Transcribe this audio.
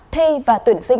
thi và tập trung các dự án